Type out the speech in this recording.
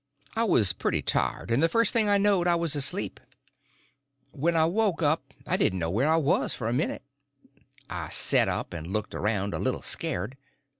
I was pretty tired, and the first thing I knowed I was asleep. When I woke up I didn't know where I was for a minute. I set up and looked around, a little scared.